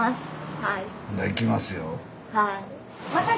はい。